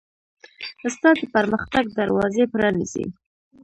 استاد د پرمختګ دروازې پرانیزي.